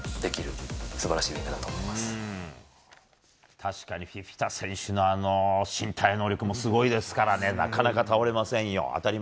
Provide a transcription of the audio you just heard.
確かにフィフィタ選手の身体能力もすごいですからねなかなか倒れませんよ。